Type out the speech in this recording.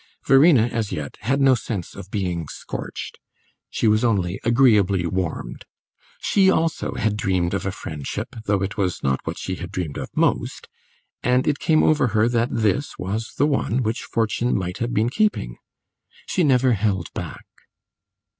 Verena, as yet, had no sense of being scorched; she was only agreeably warmed. She also had dreamed of a friendship, though it was not what she had dreamed of most, and it came over her that this was the one which fortune might have been keeping. She never held back.